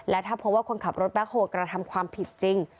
และถ้าพบว่าคนขับรถแบ็คโฮลกระทำความผิดจริง